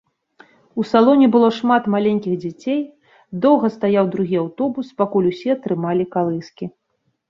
У салоне было шмат маленькіх дзяцей, доўга стаяў другі аўтобус, пакуль усе атрымалі калыскі.